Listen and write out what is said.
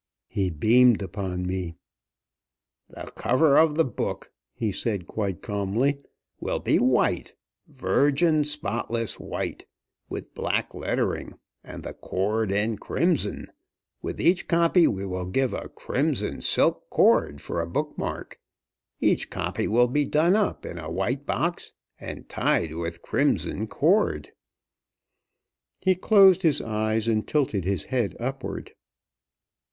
He beamed upon me. "The cover of the book," he said quite calmly, "will be white, virgin, spotless white, with black lettering, and the cord in crimson. With each copy we will give a crimson silk cord for a book mark. Each copy will be done up in a white box and tied with crimson cord." He closed his eyes and tilted his head upward.